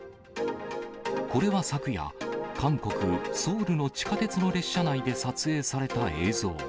これは昨夜、韓国・ソウルの地下鉄の列車内で撮影された映像。